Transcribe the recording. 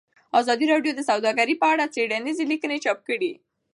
ازادي راډیو د سوداګري په اړه څېړنیزې لیکنې چاپ کړي.